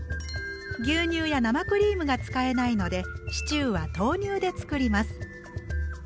牛乳や生クリームが使えないのでシチューは豆乳で作ります。